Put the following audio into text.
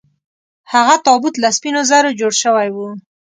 هغه تابوت له سپینو زرو جوړ شوی و.